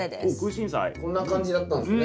こんな感じだったんすね。